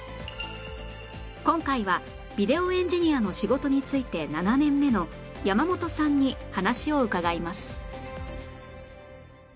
今回はビデオエンジニアの仕事に就いて７年目の山本さんに話を伺います